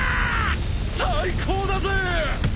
最高だぜ！